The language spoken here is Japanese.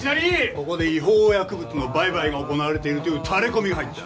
ここで違法薬物の売買が行なわれているというタレこみが入った。